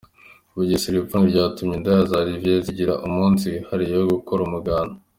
Bugesera:Ipfunwe ryatumye indaya za Riziyeri zigira umunsi wihariye wo gukora umuganda.